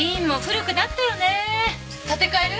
建て替える？